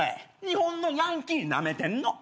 日本のヤンキーなめてんの？